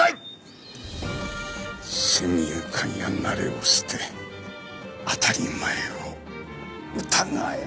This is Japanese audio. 先入観や慣れを捨て当たり前を疑え。